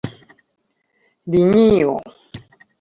linio